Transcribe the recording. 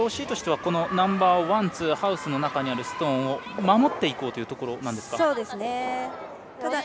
ＲＯＣとしてはナンバーワン、ツーハウスの中にあるストーンを守っていこうというところですか。